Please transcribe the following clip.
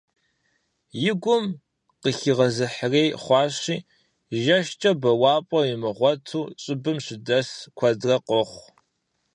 И гум къыхигъэзыхьрей хъуащи, жэщкӀэ бэуапӀэ имыгъуэту щӀыбым щыдэс куэдрэ къохъу.